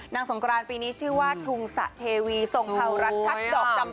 สงกรานปีนี้ชื่อว่าทุงสะเทวีทรงภาวรัฐทัศน์ดอกจำ